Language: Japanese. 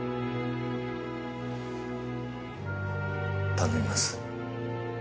頼みます。